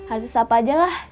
artis apa aja lah